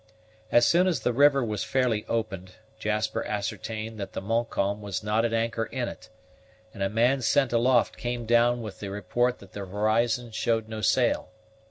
As soon as the river was fairly opened, Jasper ascertained that the Montcalm was not at anchor in it; and a man sent aloft came down with the report that the horizon showed no sail.